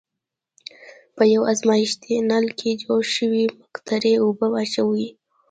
په یوه ازمیښتي نل کې جوش شوې مقطرې اوبه واچوئ.